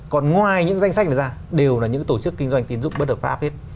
còn ngoài những danh sách này ra